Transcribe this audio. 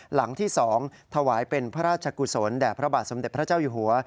หลังที่๒ถวายเป็นพระราชกุศลแด่พระบาทสมเด็จพระเจ้าอยู่หัว